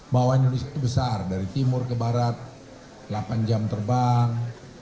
bahwa indonesia itu besar dari timur ke barat delapan jam terbang